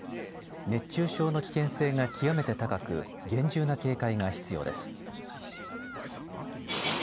熱中症の危険性が極めて高く厳重な警戒が必要です。